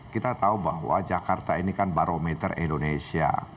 kita tahu bahwa jakarta ini kan barometer indonesia